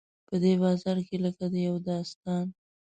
په دې بازار کې لکه د یو داستان.